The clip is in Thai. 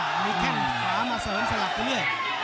สามารถเสริมสลับไปเรื่อย